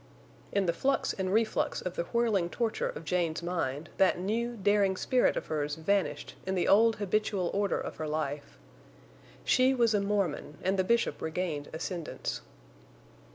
In the flux and reflux of the whirling torture of Jane's mind, that new, daring spirit of hers vanished in the old habitual order of her life. She was a Mormon, and the Bishop regained ascendance.